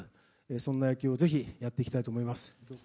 そんな野球をぜひやっていきたいと思います。